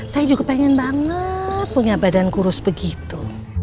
saya juga pengen banget punya badan kurus begitu